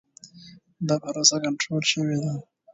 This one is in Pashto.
دا پروسه کنټرول شوې ده.